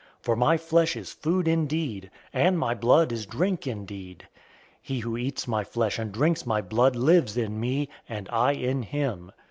006:055 For my flesh is food indeed, and my blood is drink indeed. 006:056 He who eats my flesh and drinks my blood lives in me, and I in him.